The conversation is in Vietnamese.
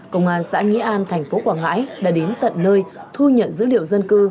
công an xã nghĩa an thành phố quảng ngãi đã đến tận nơi thu nhận dữ liệu dân cư